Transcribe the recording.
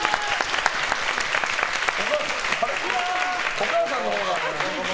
お母さんのほうが。